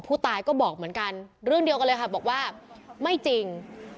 ผู้ตายก็บอกเหมือนกันเรื่องเดียวกันเลยค่ะบอกว่าไม่จริง